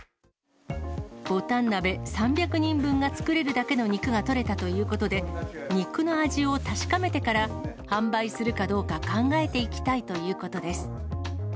ぼたん鍋３００人分が作れるだけの肉が取れたということで、肉の味を確かめてから、販売するかどうか考えていきたいということです。